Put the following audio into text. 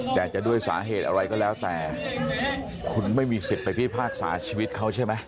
แต่จะด้วยสาเหตุอะไรก็แล้วแต่คุณไม่มีสิทธิ์ไปพิพากษาชีวิตเขาใช่ไหม